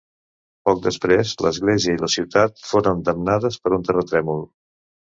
Poc després l'església i la ciutat foren damnades per un terratrèmol.